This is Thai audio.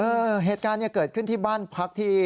เหตุการณ์เนี่ยเกิดขึ้นที่บ้านพักที่